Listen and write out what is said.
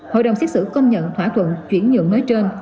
hội đồng xét xử công nhận thỏa thuận chuyển nhượng nói trên